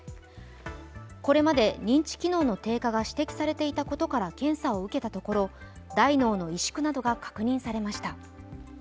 これまで認知機能の低下が指摘されていたことから検査を受けたところ大脳の萎縮などが確認されました。